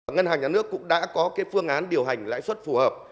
ngân hàng nhà nước cũng đã có phương án điều hành lãi suất phù hợp